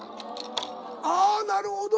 あなるほど！